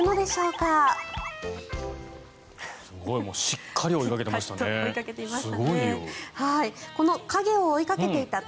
しっかり追いかけてましたね。